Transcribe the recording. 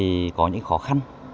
mặc dù thì có những khó khăn